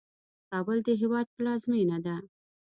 کابل د هیواد پلازمینه ده